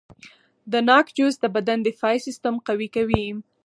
د ناک جوس د بدن دفاعي سیستم قوي کوي.